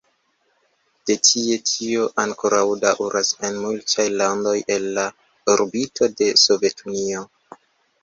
De tie tio ankoraŭ daŭras en multaj landoj el la orbito de Sovetunio.